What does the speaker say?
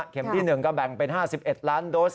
ที่๑ก็แบ่งเป็น๕๑ล้านโดส